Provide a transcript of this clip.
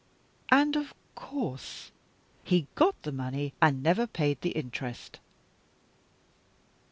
"And of course he got the money, and never paid the interest?"